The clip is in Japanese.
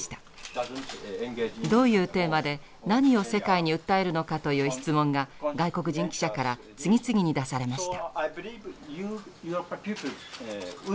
どういうテーマで何を世界に訴えるのかという質問が外国人記者から次々に出されました。